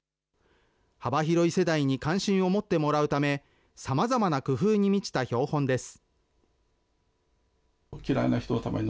幅広い世代に関心を持ってもらうため、さまざまな工夫に満ちた標本です。